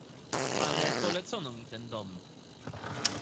"Ale polecono mi ten dom."